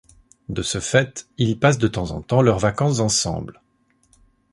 De ce fait, ils passent de temps en temps leurs vacances ensemble.